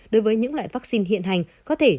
đối với những loại vaccine hiện hành có thể